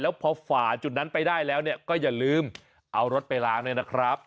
แล้วพอฝ่าจุดนั้นไปได้แล้วก็อย่าลืมเอารถไปล้างด้วยนะครับ